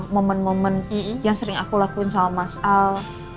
momen momen yang sering aku lakuin sama mas al